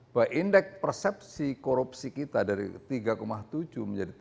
bahwa indeks persepsi korupsi kita dari tiga tujuh menjadi tiga